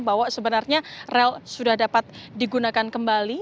bahwa sebenarnya rel sudah dapat digunakan kembali